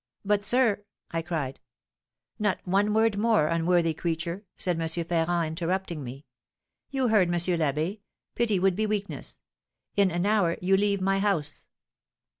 'But sir ' I cried. 'Not one word more, unworthy creature,' said M. Ferrand, interrupting me. 'You heard M. l'Abbé. Pity would be weakness. In an hour you leave my house!'